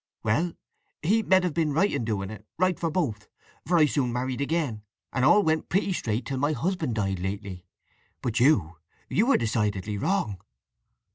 "Well—he med have been right in doing it—right for both; for I soon married again, and all went pretty straight till my husband died lately. But you—you were decidedly wrong!"